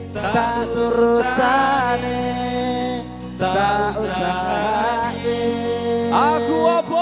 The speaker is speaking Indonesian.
tak turut tani tak usah lagi